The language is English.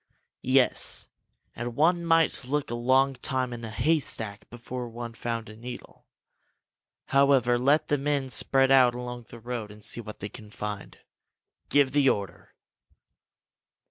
"Yes and one might look a long time in a haystack before one found a needle! However, let the men spread out along the road and see what they can find. Give the order!"